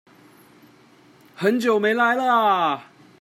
很久沒來了啊！